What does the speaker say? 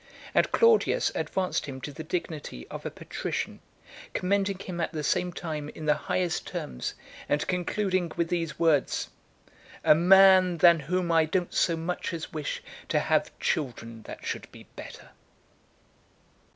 And Claudius advanced him to the dignity of a patrician, commending him, at the same time, in the highest terms, and concluding with these words: "A man, than whom I don't so (417) much as wish to have children that should be better."